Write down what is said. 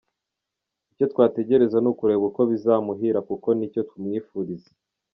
Icyo twategereza ni ukureba uko bizamuhira kuko nicyo tumwifuriza.